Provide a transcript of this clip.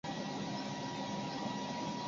直隶曲周县人。